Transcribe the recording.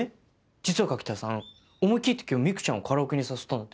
実は柿田さん思い切って今日ミクちゃんをカラオケに誘ったんだって。